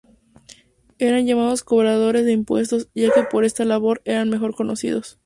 Eran llamados cobradores de impuestos ya que por esta labor eran mejor conocidos.